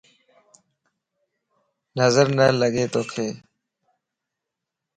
نظر نه لڳ توک